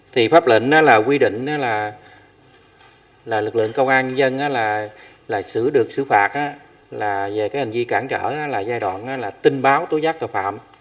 thì pháp lệnh là quy định là lực lượng công an nhân dân là xử được xử phạt là về cái hành vi cản trở là giai đoạn là tin báo tố giác tội phạm